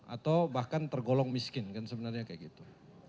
atau bahkan tergolong miskin kan sebenarnya kayak gitu